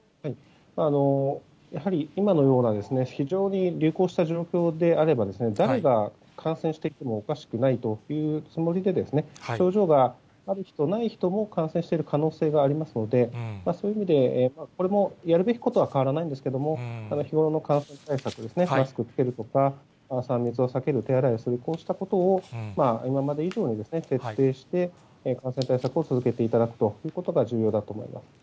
やはり今のような非常に流行した状況であればですね、誰が感染していてもおかしくないというつもりでですね、症状がある人、ない人も、感染している可能性がありますので、そういう意味で、これもやるべきことは変わらないんですけれども、日頃の感染対策、マスク着けるとか、３密を避ける、手洗いをする、こうしたことを、今まで以上に徹底して、感染対策を続けていただくということが重要だと思います。